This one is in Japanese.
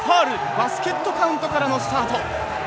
バスケットカウントからのスタート。